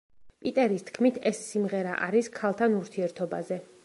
პიტერის თქმით ეს სიმღერა არის ქალთან ურთიერთობაზე.